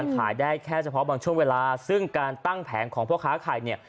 ขายได้แค่บางชวนเวลาซึ่งตั้งแผงของพ่อค้าขาย